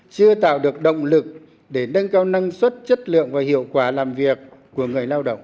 chưa tạo được động lực để nâng cao năng suất chất lượng và hiệu quả làm việc của người lao động